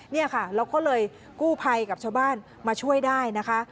นี่ค่ะเราก็เลยกู้ภัยกับชาวบ้านมาช่วยได้นะคะ